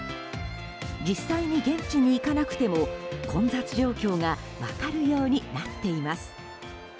実際に現地に行かなくても混雑状況が分かるようになっています。